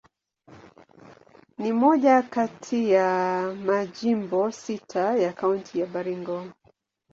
Ni moja kati ya majimbo sita ya Kaunti ya Baringo.